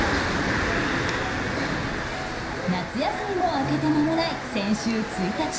夏休みも明けてまもない先週１日。